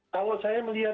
kalau saya melihat